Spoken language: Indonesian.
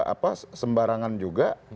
apa sembarangan juga